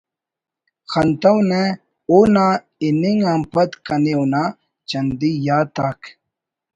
خنتونہ اونا ہننگ آن پد کنے اونا چندی یات آک